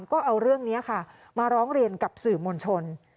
ก็เอาเรื่องนี้ค่ะมาร้องเรียนกับสื่อมวลชน